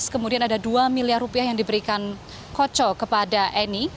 kemudian ada dua miliar rupiah yang diberikan kocok kepada eni